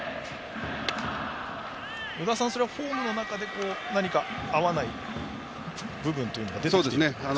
与田さん、それはフォームの中で合わない部分というのが出てきたんでしょうか。